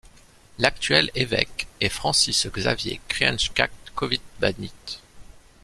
L'actuel évêque est Francis Xavier Kriengsak Kovitvanit.